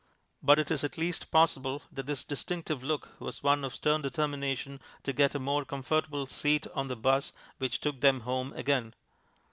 But it is at least possible that this distinctive look was one of stern determination to get a more comfortable seat on the 'bus which took them home again.